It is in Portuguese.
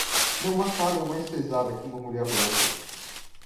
Não há carga mais pesada que uma mulher leve.